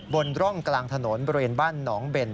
บนร่องกลางถนนบริเวณบ้านหนองเบน